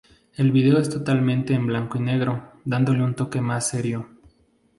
El vídeo es totalmente en blanco y negro, dándole un toque más serio.